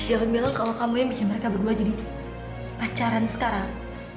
jangan jangan kalo kamu yang bikin mereka berdua jadi pacaran sekarang